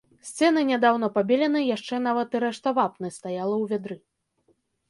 Сцены нядаўна пабелены, яшчэ нават і рэшта вапны стаяла ў вядры.